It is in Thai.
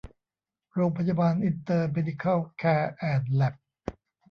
โรงพยาบาลอินเตอร์เมดิคัล แคร์ แอนด์ แล็บ